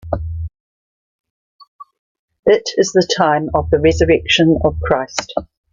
It is the time of the resurrection of Christ.